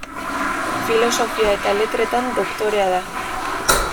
Filosofia eta letretan doktorea da.